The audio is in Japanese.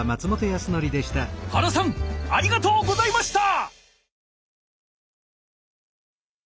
原さんありがとうございました！